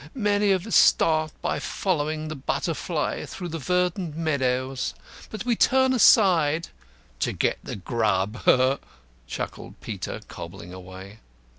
"Many of us start by following the butterfly through the verdant meadows, but we turn aside " "To get the grub," chuckled Peter, cobbling away.